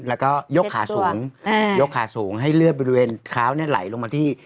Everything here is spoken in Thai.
แล้วก็ยกขาสูงให้เลือดบริเวณขาวไหลลงมาที่